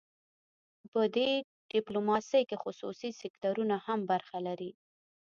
په دې ډیپلوماسي کې خصوصي سکتورونه هم برخه لري